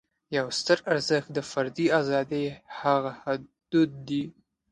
یو ستر ارزښت د فردي آزادۍ هغه حدود دي.